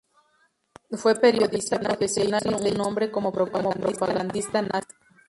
Fue periodista profesional y se hizo un nombre como propagandista nazi.